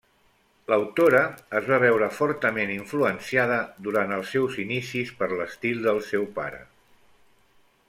L'autora es va veure fortament influència durant els seus inicis per l'estil del seu pare.